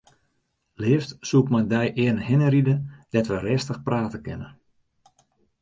Leafst soe ik mei dy earne hinne ride dêr't wy rêstich prate kinne.